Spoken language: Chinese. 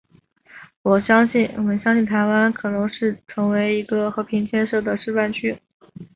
我们相信台湾可能成为一个和平建设的示范区。